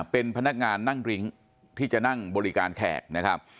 เป็นพนักงานนั่งริ้งที่จะนั่งบริการแขกนะครับ